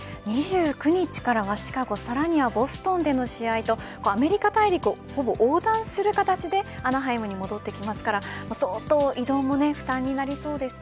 ２９日からはシカゴさらにはボストンでの試合とアメリカ大陸を横断する形でアナハイムに戻ってくるのでそうとう移動も負担になりそうです。